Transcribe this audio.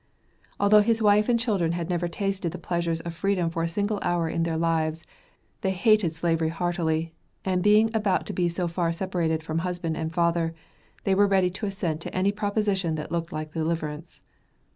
Although the wife and children had never tasted the pleasures of freedom for a single hour in their lives, they hated slavery heartily, and being about to be far separated from husband and father, they were ready to assent to any proposition that looked like deliverance.